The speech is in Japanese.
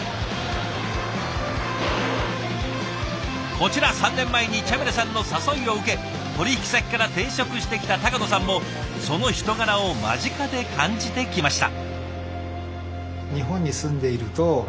こちら３年前にチャミラさんの誘いを受け取引先から転職してきた野さんもその人柄を間近で感じてきました。